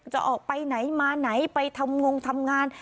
จะออกไปไหนมาไหนไปทำงงทำงาน